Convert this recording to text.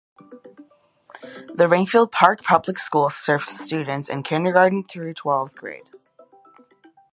The Ridgefield Park Public Schools serve students in kindergarten through twelfth grade.